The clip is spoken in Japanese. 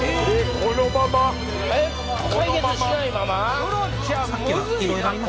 このまま？